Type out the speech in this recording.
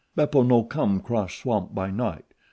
Beppo no come 'cross swamp by night.